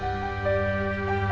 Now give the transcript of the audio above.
kenapa kok susah